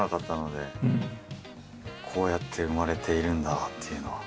こうやって生まれているんだっていうのは。